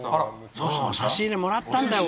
差し入れもらったんだよ